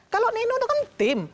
kalau nino kan tim